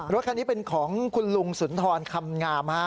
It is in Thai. รถคันนี้เป็นของคุณลุงสุนทรคำงามฮะ